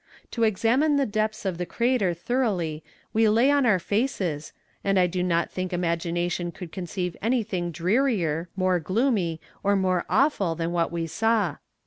To examine the depths of the crater thoroughly we lay on our faces, and I do not think imagination could conceive anything drearier, more gloomy, or more awful than what we saw.